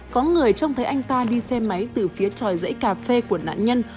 có người trông thấy anh ta đi xe máy từ phía tròi dãy cà phê của nạn nhân